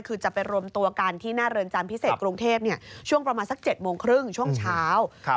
คือจะไปรวมตัวกันที่หน้าเรือนจำพิเศษกรุงเทพช่วงประมาณสัก๗โมงครึ่งช่วงเช้า